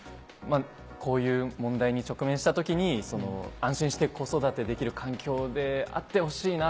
こういう問題に直面した時に安心して子育てできる環境であってほしいな